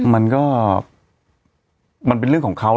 มันก็มันเป็นเรื่องของเขา